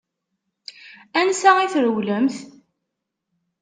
Ansa i trewlemt?